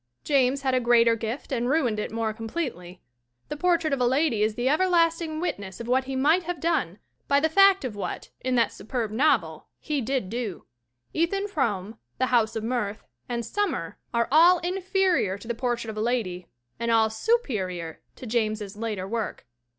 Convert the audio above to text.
James had a greater gift and ruined it more com pletely. The Portrait of a Lady is the everlasting wit ness of what he might have done by the fact of what, in that superb novel, he did do. Ethan Frome, The House of Mirth and Summer are all inferior to The Portrait of a Lady and all superior to James's later work.